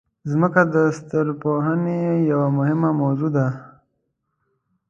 مځکه د ستورپوهنې یوه مهمه موضوع ده.